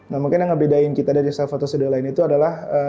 nah mungkin yang ngebedain kita dari self photo studio lain itu adalah